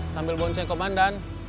sambil bonceng komandan